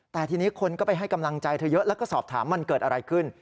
แต่ทีนี้คนก็ไปให้กำลังใจเธอเยอะแล้วก็สอบถามมันเกิดอะไรขึ้น